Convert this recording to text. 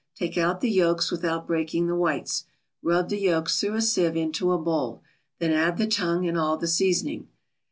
Take out the yolks without breaking the whites. Rub the yolks through a sieve into a bowl, then add the tongue and all the seasoning.